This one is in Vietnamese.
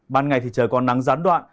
ban ngày thì trời còn nắng gián đoạn